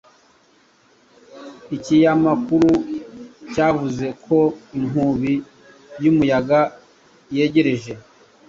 Ikiamakuru cyavuze ko inkubi y'umuyaga yegereje.